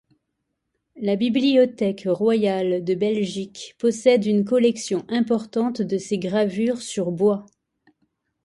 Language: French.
La Bibliothèque royale de Belgique possède une collection importante de ses gravures sur bois.